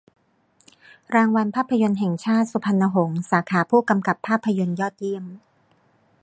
รางวัลภาพยนตร์แห่งชาติ สุพรรณหงส์ สาขาผู้กำกับภาพยนตร์ยอดเยี่ยม